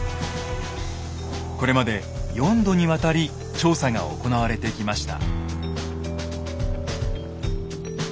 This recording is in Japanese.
これまで４度にわたり調査が行われてきました。